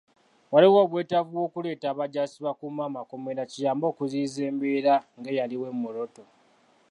Waliwo obwetaavu bw'okuleeta abajaasi bakuume amakomera, kiyambe okuziyiza embeera ng'eyaliwo e Moroto.